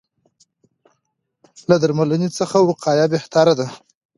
له درملنې څخه وقایه بهتره ده.